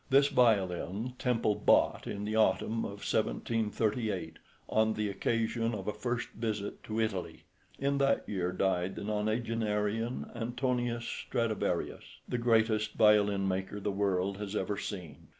This violin Temple bought in the autumn of 1738, on the occasion of a first visit to Italy. In that year died the nonagenarian Antonius Stradivarius, the greatest violin maker the world has ever seen.